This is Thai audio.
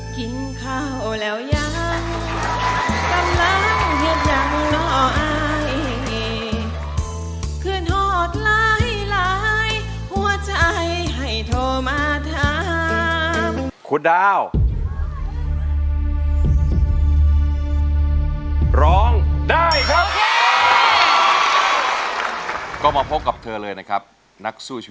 คุณดาว